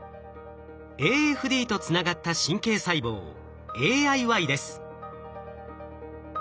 ＡＦＤとつながった神経細胞ＡＩＹです。